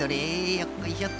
よっこいしょっと。